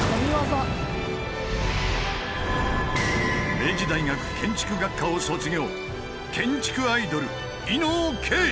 明治大学建築学科を卒業。